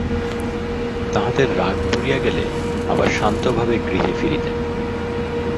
তাঁহাদের রাগ পড়িয়া গেলে আবার শান্তভবে গৃহে ফিরিতেন।